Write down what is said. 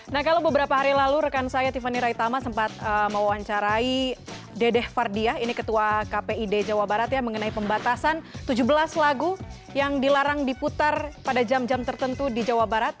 nah kalau beberapa hari lalu rekan saya tiffany raitama sempat mewawancarai dedeh fardiah ini ketua kpid jawa barat ya mengenai pembatasan tujuh belas lagu yang dilarang diputar pada jam jam tertentu di jawa barat